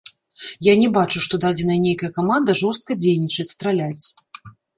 Я не бачу, што дадзеная нейкая каманда жорстка дзейнічаць, страляць.